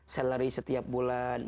salari setiap bulan